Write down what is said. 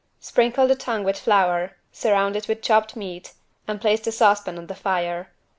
Sprinkle the tongue with flour, surround it with chopped meat and place the saucepan on the fire.